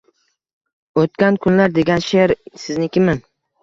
«O’tgan kunlar» degan she’r siznikimi?